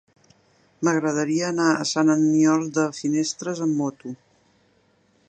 M'agradaria anar a Sant Aniol de Finestres amb moto.